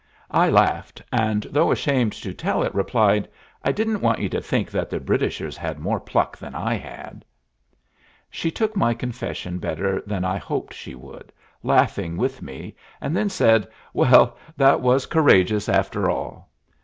I laughed, and, though ashamed to tell it, replied, "I didn't want you to think that the Britishers had more pluck than I had." She took my confession better than I hoped she would, laughing with me, and then said, "Well, that was courageous, after all."